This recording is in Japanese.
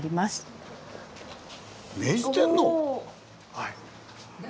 はい。